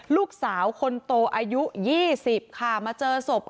ลูกสาวคนน้ำเต็มขวดอายุ๒๐ค่ะ